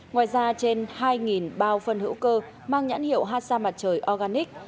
ngoài ra trên hai bao phân hữu cơ mang nhãn hiệu hasa mặt trời organic